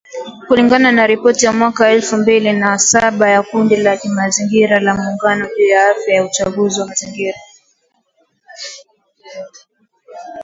Kulingana na ripoti ya mwaka elfu mbili kumi na saba ya kundi la kimazingira la Muungano juu ya Afya na Uchafuzi wa mazingira